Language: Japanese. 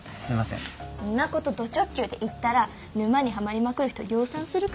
んなことド直球で言ったら沼にハマりまくる人量産するからね。